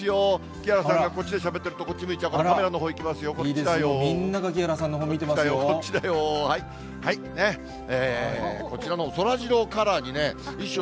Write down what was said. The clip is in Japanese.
木原さんがこっちでしゃべってると、こっち向いちゃうからカメラみんなが木原さんのほう見てこっちだよー。こちらのそらジローカラーにね、衣装を。